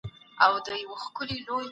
د هیواد وضعیت د جدي پاملرنې وړ دی.